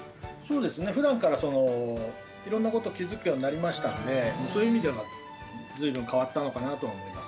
ふだんからいろんなこと気付くようになりましたんで、そういう意味では、ずいぶん変わったのかなとは思います。